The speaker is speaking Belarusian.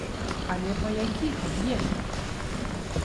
Але па якіх аб'ектах?